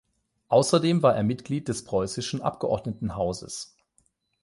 Außerdem war er Mitglied des Preußischen Abgeordnetenhauses.